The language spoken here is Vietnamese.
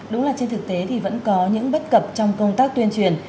đúng là trên thực tế thì vẫn có những bất cập trong công tác tuyên truyền